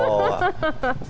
jalan tol purbaleni